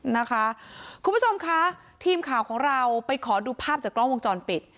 นะคะคุณผู้ชมคะทีมข่าวของเราไปขอดูภาพจากกล้องวงจรปิด